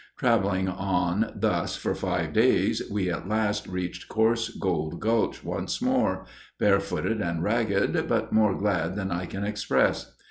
Traveling on thus for five days, we at last reached Coarse Gold Gulch once more, barefooted and ragged but more glad than I can express.